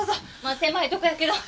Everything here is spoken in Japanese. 狭いところやけど。